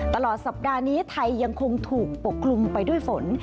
ตลอดสัปดาห์นี้ไทยยังคงถูกปกคลุมไปด้วยฝน